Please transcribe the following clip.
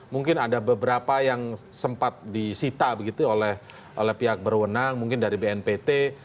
mungkin ada beberapa yang sempat disita begitu oleh pihak berwenang mungkin dari bnpt